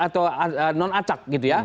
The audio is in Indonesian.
atau non acak gitu ya